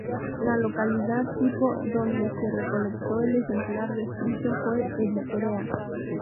La localidad tipo, donde se recolectó el ejemplar descrito, fue Eritrea.